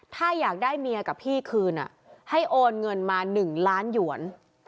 ถ้าอยากได้เมียกับพี่คืนให้โอนเงินมา๑ล้านหยวน